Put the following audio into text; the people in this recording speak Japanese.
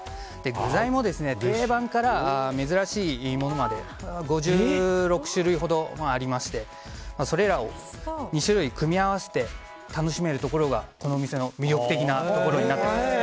具材も定番から珍しいものまで５６種類ほどありましてそれらを２種類組み合わせて楽しめるところがこの店の魅力的なところになっています。